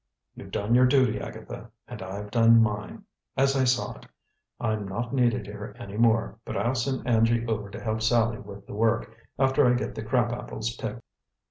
"You've done your duty, Agatha, and I've done mine, as I saw it. I'm not needed here any more, but I'll send Angie over to help Sallie with the work, after I get the crab apples picked."